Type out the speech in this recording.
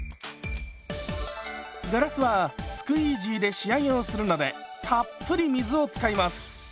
ガラスはスクイージーで仕上げをするのでたっぷり水を使います。